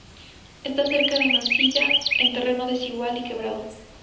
Está cerca de Mansilla, en terreno desigual y quebrado.